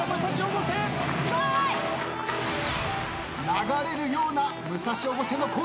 流れるような武蔵越生の攻撃。